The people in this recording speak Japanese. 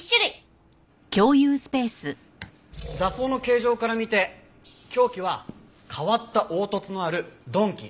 挫創の形状から見て凶器は変わった凹凸のある鈍器。